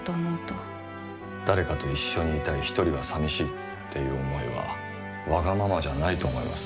誰かと一緒にいたいひとりはさみしいっていう思いはわがままじゃないと思います。